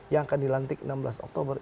yang akan dilantik enam belas oktober